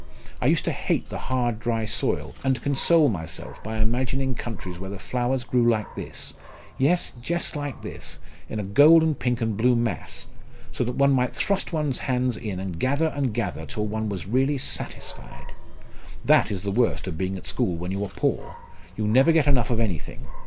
I used to hate the hard dry soil, and console myself by imagining countries where the flowers grew like this yes, just like this, in a gold and pink and blue mass, so that one might thrust one's hands in and gather and gather till one was really satisfied! That is the worst of being at school when you are poor! You never get enough of anything.